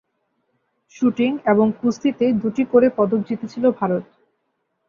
Shooting এবং কুস্তিতে দুটি করে পদক জিতেছিল ভারত।